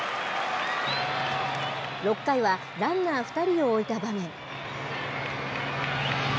６回は、ランナー２人を置いた場面。